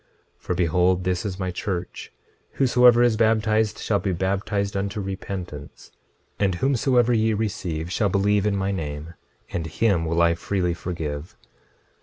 26:22 For behold, this is my church; whosoever is baptized shall be baptized unto repentance. And whomsoever ye receive shall believe in my name; and him will I freely forgive.